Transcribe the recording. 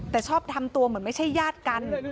แต่ชอบทำตัวเหมือนไม่ใช่ญาติกัน